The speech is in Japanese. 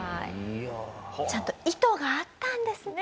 ちゃんと意図があったんですね。